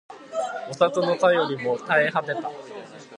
お里の便りも絶え果てた